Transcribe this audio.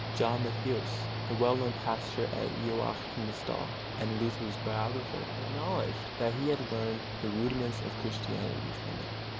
John Mathesius, the well known pastor at Joachimsthal and Luther's biographer, acknowledged that he had learned the "rudiments of Christianity" from it.